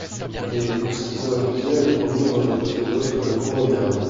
Mais pour ce qu'ils en accusèrent et promirent d'en accuser d'autres, la cour les garda.